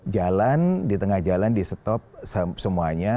jalan di tengah jalan di stop semuanya